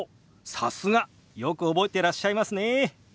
さすが！よく覚えてらっしゃいますね。